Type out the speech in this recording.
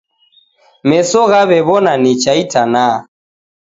Meso ghaw'ew'ona nicha itanaha.